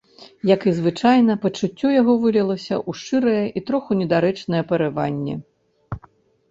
Як і зазвычай, пачуццё яго вылілася ў шчырае і троху недарэчнае парыванне.